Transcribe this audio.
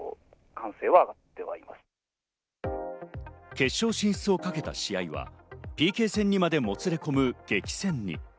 決勝進出をかけた試合はＰＫ戦にまでもつれ込む激戦に。